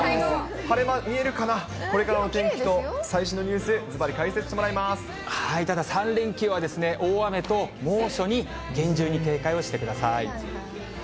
晴れ間、見えるかな、これからの天気と最新のニュース、ずばり解説してもただ３連休は、大雨と猛暑に厳重に警戒をしてください。